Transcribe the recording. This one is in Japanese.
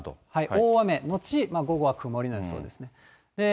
大雨後、午後は曇りの予想ですね。